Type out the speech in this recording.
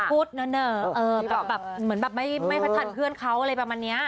พูดเหนอะแบบไม่พัดทันเพื่อนเขาอะไรประมาณนี้